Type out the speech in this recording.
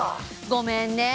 ごめんね。